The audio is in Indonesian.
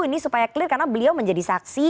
ini supaya clear karena beliau menjadi saksi